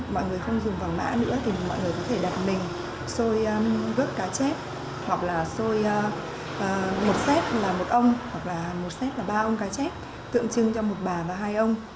mọi người không dùng vàng mã nữa thì mọi người có thể đặt mình xôi gớt cá chép hoặc là xôi một xét là một ông hoặc là một xét là ba ông cá chép tượng trưng cho một bà và hai ông